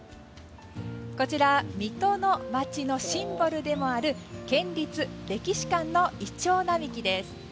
こちら水戸の街のシンボルでもある県立歴史館のイチョウ並木です。